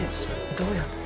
どうやって？